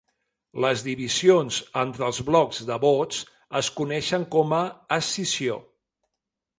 Les divisions entre els blocs de vots es coneixen com a 'escissió'.